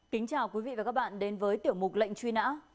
kính chào quý vị và các bạn đến với tiểu mục lệnh truy nã